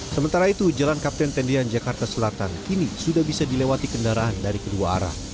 sementara itu jalan kapten tendian jakarta selatan kini sudah bisa dilewati kendaraan dari kedua arah